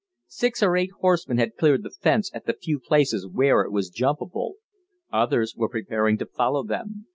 Six or eight horsemen had cleared the fence at the few places where it was jumpable. Others were preparing to follow them.